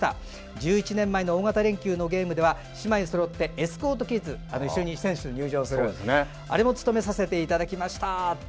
１１年前の大型連休のゲームでは姉妹そろってエスコートキッズも務めさせていただきました。